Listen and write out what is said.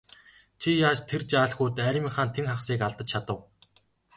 Чи яаж тэр жаал хүүд армийнхаа тэн хагасыг алдаж чадав?